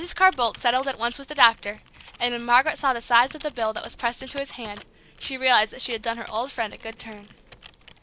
Carr Boldt settled at once with the doctor, and when Margaret saw the size of the bill that was pressed into his hand, she realized that she had done her old friend a good turn.